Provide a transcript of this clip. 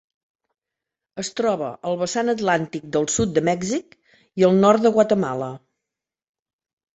Es troba al vessant atlàntic del sud de Mèxic i el nord de Guatemala.